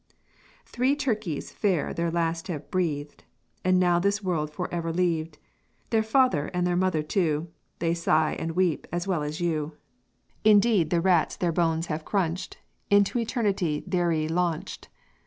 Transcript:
"Three turkeys fair their last have breathed, And now this world forever leaved; Their father, and their mother too, They sigh and weep as well as you; Indeed, the rats their bones have crunched, Into eternity theire laanched.